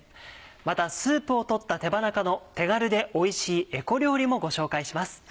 またスープを取った手羽中の手軽でおいしいエコ料理もご紹介します。